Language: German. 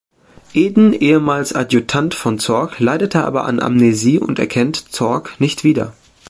Eden, ehemals Adjutant von Zorc, leidet aber an Amnesie und erkennt Zorc nicht wieder.